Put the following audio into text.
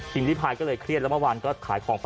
ริพายก็เลยเครียดแล้วเมื่อวานก็ขายของไป